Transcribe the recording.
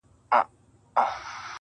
هم له ژوندیو- هم قبرونو سره لوبي کوي-